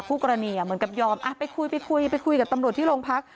ผู้กรณีเหมือนกับยอมไปคุยไปคุยไปคุยกับตำรวจที่โรงพัก